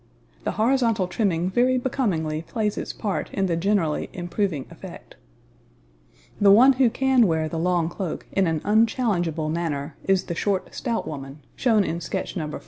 The horizontal trimming very becomingly plays its part in the generally improving effect. [Illustration: NO. 41] The one who can wear the long cloak in an unchallengeable manner is the short, stout woman, shown in sketch No.